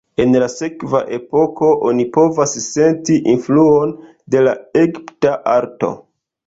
En la sekva epoko, oni povas senti influon de la egipta arto.